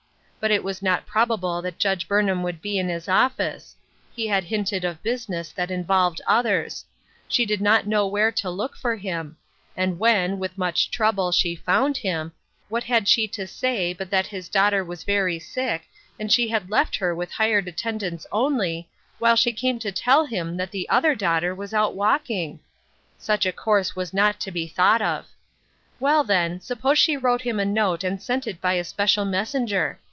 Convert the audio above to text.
But it was not probable that Judge Burnham would be in his office ; he had hinted of business that involved others; she did not know where to look for him ; and when, with much trouble, she found him, what had she to say but that his daughter was very sick, and she had left her with hired attendants only, while she came to tell him that the other daughter was out walking ? Such a course was not to be thought of. Well, then, suppose she wrote him a note and sent it by a special messenger